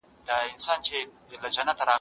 سړي خپل ماشوم له ښځې څخه واخیست.